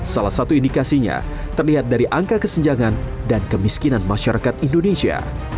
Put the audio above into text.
salah satu indikasinya terlihat dari angka kesenjangan dan kemiskinan masyarakat indonesia